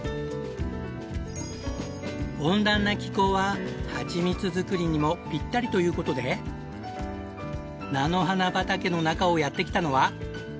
温暖な気候ははちみつ作りにもピッタリという事で菜の花畑の中をやって来たのは。